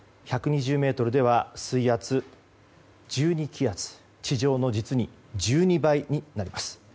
１２０ｍでは水圧１２気圧地上の実に１２倍になります。